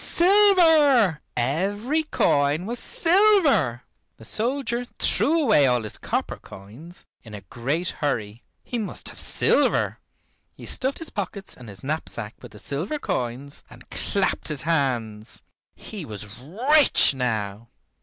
Silver, every coin was silver! The soldier threw away all his copper coins in a great hurry. He must have silver. He stuffed his pockets and his knapsack with the silver coins, and clapped his hands. He was rich now.